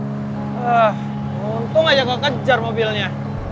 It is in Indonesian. ah untung aja gak kejar mobilnya